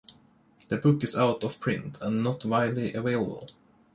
The book is out of print and not widely available.